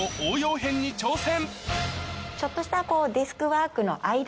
ちょっとした。